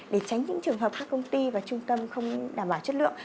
để tránh những trường hợp các công ty và trung tâm không đảm bảo chất lượng